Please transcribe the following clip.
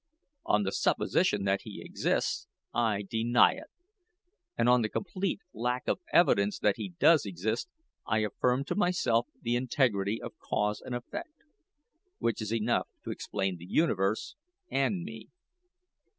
On the supposition that He exists, I deny it! And on the complete lack of evidence that He does exist, I affirm to myself the integrity of cause and effect which is enough to explain the Universe, and me.